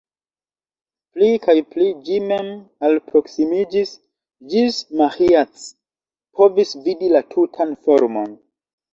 Pli kaj pli ĝi mem alproksimiĝis, ĝis Maĥiac povis vidi la tutan formon.